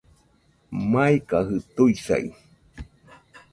Maikajɨ tuisai